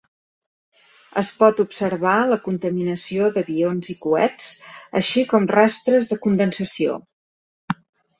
Es pot observar la contaminació d'avions i coets, així com rastres de condensació.